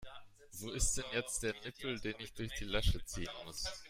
Wo ist denn jetzt der Nippel, den ich durch die Lasche ziehen muss?